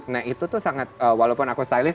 nah itu tuh sangat walaupun aku stylist